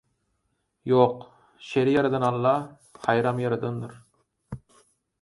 Ýok, şeri ýaradan Alla haýram ýaradandyr.